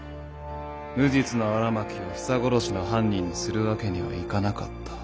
無実の荒巻をヒサ殺しの犯人にするわけにはいかなかった。